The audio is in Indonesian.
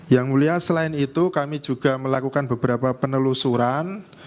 yang mulia selain itu kami juga melakukan beberapa penelusuran